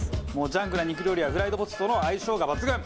ジャンクな肉料理やフライドポテトとの相性が抜群。